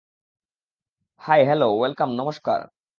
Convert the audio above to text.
High, hello, welcome, নমস্কার!